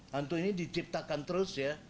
hantu ini diciptakan terus ya